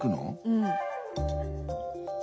うん。